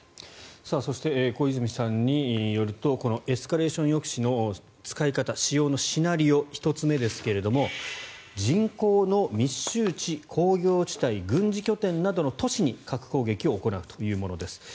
そして、小泉さんによるとエスカレーション抑止の使い方使用のシナリオ、１つ目ですが人口の密集地、工業地帯軍事拠点などの都市に核攻撃を行うというものです。